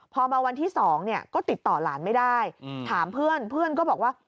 พอมาวันที่๒เนี่ยก็ติดต่อหลานไม่ได้ถามเพื่อนเพื่อนก็บอกว่า